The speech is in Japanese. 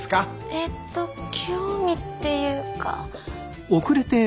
えっと興味っていうか。